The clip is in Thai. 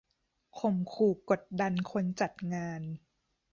ข่มขู่กดดันคนจัดงาน